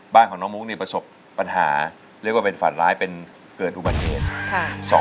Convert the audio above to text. บ้านของน้องมุกนี่ประสบปัญหาเรียกว่าเป็นฝันร้ายเป็นเกิดอุบัติเหตุ